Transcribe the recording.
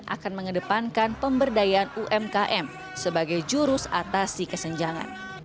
akan mengedepankan pemberdayaan umkm sebagai jurus atasi kesenjangan